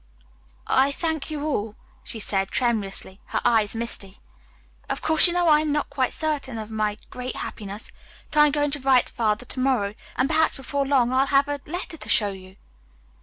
"I thank you all," she said tremulously, her eyes misty. "Of course you know I am not quite certain of my great happiness, but I am going to write to Father to morrow, and perhaps before long I'll have a letter to show you."